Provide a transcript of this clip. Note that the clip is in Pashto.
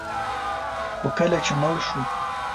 خو کله چې مړ شو